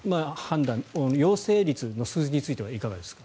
陽性率の数字についてはいかがですか。